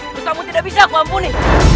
bersamu tidak bisa aku mampuni